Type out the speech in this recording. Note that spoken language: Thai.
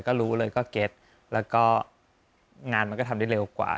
ก็รู้เลยก็เก็ตแล้วก็งานมันก็ทำได้เร็วกว่า